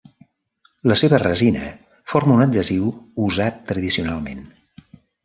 La seva resina forma un adhesiu usat tradicionalment.